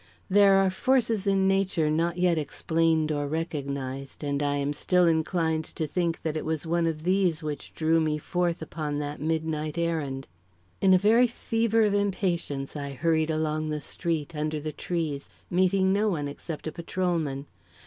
There are forces in nature not yet explained or recognised, and I am still inclined to think that it was one of these which drew me forth upon that midnight errand. In a very fever of impatience, I hurried along the street, under the trees, meeting no one except a patrolman.